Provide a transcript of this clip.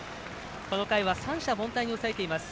この回は三者凡退に抑えています。